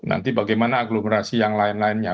nanti bagaimana agglomerasi yang lain lainnya